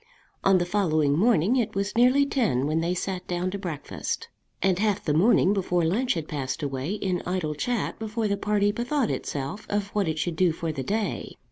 On the following morning it was nearly ten when they sat down to breakfast, and half the morning before lunch had passed away in idle chat before the party bethought itself of what it should do for the day.